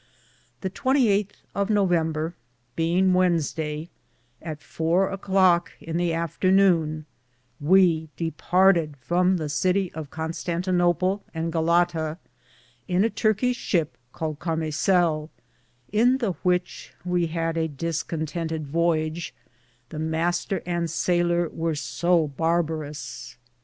The 28 of November, beinge Weddensdaye, at 4 acloke in the after nowne, we departed from the cittie of Con stantinople and Gallata in a Turkishe ship caled Carme sale,^ in the which we had a discontented voyege, the Mr. and sailer wear so barbarus.